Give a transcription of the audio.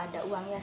tidak boleh ngeluh